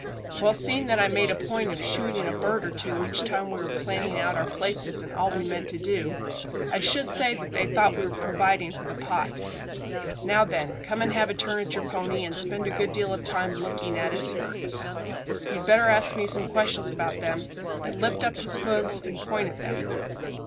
"Well, seeing that I made a point of shooting a bird or two each time we were planning out our places and all we meant to do, I should say that they thought we were providing for the pot. Now then, come and have a turn at your pony, and spend a good deal of time looking at his hurts. You'd better ask me some questions about them, and lift up his hoofs and point at them."